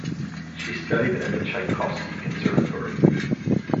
She studied at the Tchaikovsky Conservatory.